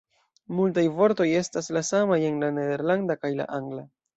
Multaj vortoj estas la samaj en la nederlanda kaj la angla.